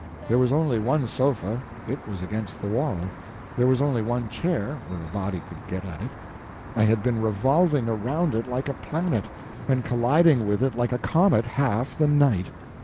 There was only one sofa; it was against the wall; there was only one chair where a body could get at it I had been revolving around it like a planet, and colliding with it like a comet half the night.